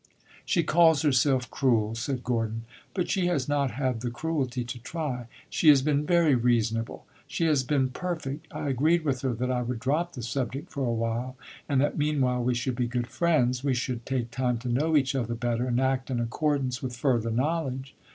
"She calls herself cruel," said Gordon, "but she has not had the cruelty to try. She has been very reasonable she has been perfect. I agreed with her that I would drop the subject for a while, and that meanwhile we should be good friends. We should take time to know each other better and act in accordance with further knowledge.